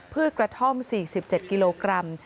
กระท่อม๔๗กิโลกรัม